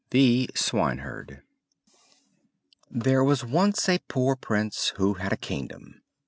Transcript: THE SWINEHERD There was once a poor Prince, who had a kingdom.